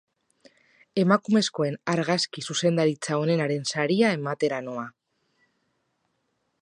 Emakumezkoen argazki-zuzendaritza onenaren saria ematera noa.